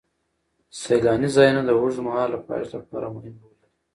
سیلاني ځایونه د اوږدمهاله پایښت لپاره مهم رول لري.